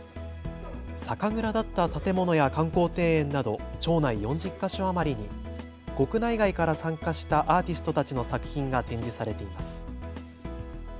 酒蔵だった建物や観光庭園など町内４０か所余りに国内外から参加したアーティストたちの作品が展示されています。